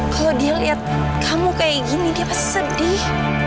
kalau dia lihat kamu kayak gini dia sedih